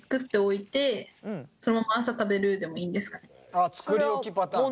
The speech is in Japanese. ああ作り置きパターンね。